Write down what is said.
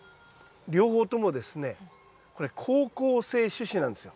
両方ともですねこれ好光性種子なんですよ。